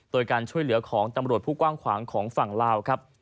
โดยการช่วยเหลือของตำรวจผู้กว้างขวางของฝั่งลาวครับ